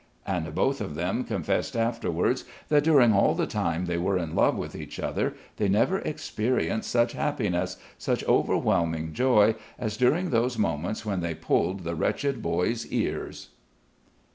And both of them confessed afterwards that during all the time they were in love with each other they never experienced such happiness, such overwhelming joy as during those moments when they pulled the wretched boy's ears.